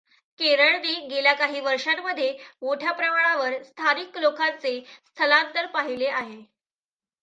केरळने गेल्या काही वर्षांमध्ये मोठ्या प्रमाणावर स्थानिक लोकांचे स्थलांतर पाहिले आहे.